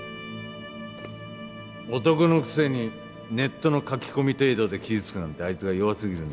男のくせにネットの書き込み程度で傷つくなんてあいつが弱すぎるんだ。